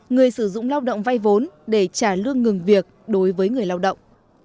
người sử dụng lao động vay vốn để trả lương ngừng việc đối với người lao động